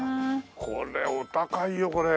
これお高いよこれ。